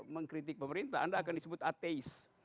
mengkritik pemerintah anda akan disebut ateis